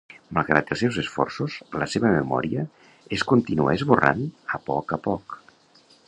Malgrat els seus esforços, la seva memòria es continua esborrant a poc a poc.